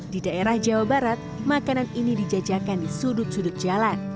di daerah jawa barat makanan ini dijajakan di sudut sudut jalan